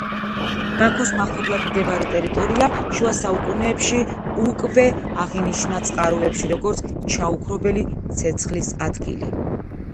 ბაქოს მახლობლად მდებარე ტერიტორია შუა საუკუნეებში უკვე აღინიშნა წყაროებში, როგორც ჩაუქრობელი ცეცხლის ადგილი.